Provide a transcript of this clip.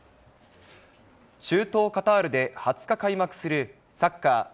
中東カタールで２０日開幕するサッカーＦＩＦＡ